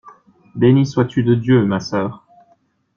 Bénie sois-tu de Dieu, ma sœur!